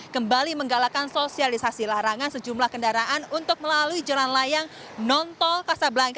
kembali menggalakan sosialisasi larangan sejumlah kendaraan untuk melalui jalan layang nontol kasablangka